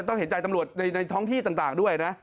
เห็นใจตำรวจในท้องที่ต่างด้วยนะ